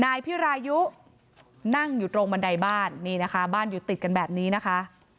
นายสาราวุธคนก่อเหตุอยู่ที่บ้านกับนางสาวสุกัญญาก็คือภรรยาเขาอะนะคะ